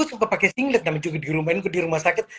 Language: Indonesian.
juga pakai singlet dan juga di rumah itu di rumah sakit